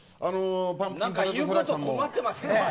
なんか言うこと困ってます。